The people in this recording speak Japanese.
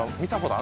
あ